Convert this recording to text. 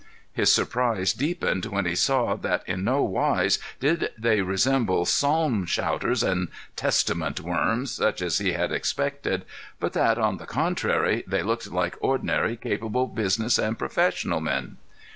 His surprise deepened when he saw that in no wise did they resemble psalm shouters and Testament worms such as he had expected, but that, on the contrary, they looked like ordinary, capable business and professional men.